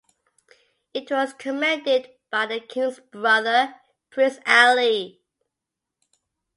It was commanded by the king's brother, Prince Ali.